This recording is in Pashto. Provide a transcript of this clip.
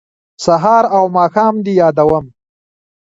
سهار او ماښام دې یادوم